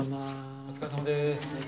お疲れさまです。